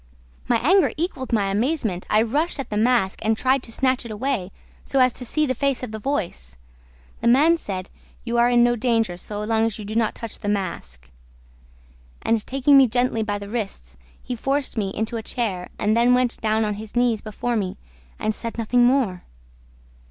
"My anger equaled my amazement. I rushed at the mask and tried to snatch it away, so as to see the face of the voice. The man said, 'You are in no danger, so long as you do not touch the mask.' And, taking me gently by the wrists, he forced me into a chair and then went down on his knees before me and said nothing more!